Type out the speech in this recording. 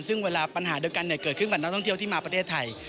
ซึ่งเวลาปัญหาเดียวกันเกิดขึ้นกับนักท่องเที่ยวที่มาประเทศไทย